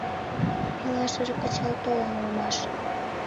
Пелашыже кычал толын улмаш.